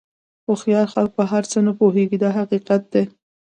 هوښیار خلک په هر څه نه پوهېږي دا حقیقت دی.